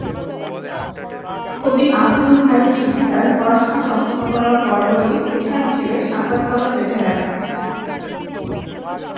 কবি আবদুল হাই শিকদার পড়াশোনা সম্পন্ন করার পরপরই পেশা হিসেবে সাংবাদিকতা বেছে নেন।